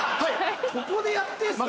ここでやってんすか？